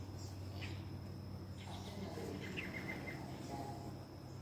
Aseng’ado echunya mondo adhi dala